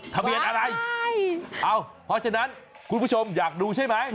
ทะเบียนอะไรใช่เอ้าเพราะฉะนั้นคุณผู้ชมอยากดูใช่ไหม